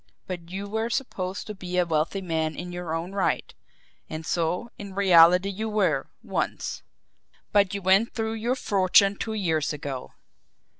But you were supposed to be a wealthy man in your own right; and so, in reality you were once. But you went through your fortune two years ago.